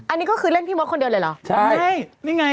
อันนี้ก็คือเล่นพี่มดคนเดียวเลยเหรอใช่นี่ไง